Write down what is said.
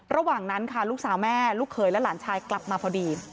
ระหว่างนั้นค่ะลูกสาวแม่ลูกเขยและหลานชายกลับมาพอดี